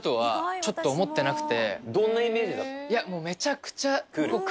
ちょっと思ってなくて。